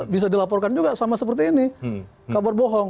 bisa dilaporkan juga sama seperti ini kabar bohong